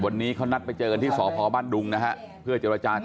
วันนี้เขานัดไปเจอที่สอบพอบ้านดุงนะคะเพื่อ